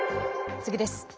次です。